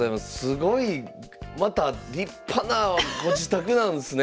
すごいまた立派なご自宅なんですねえ！